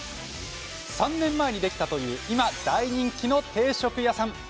３年前にできたという今、大人気の定食屋さん。